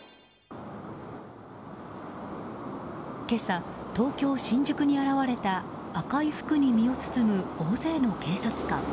今朝、東京・新宿に現れた赤い服に身を包む大勢の警察官。